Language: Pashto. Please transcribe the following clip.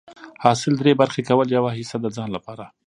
حاصل دری برخي کول، يوه حيصه د ځان لپاره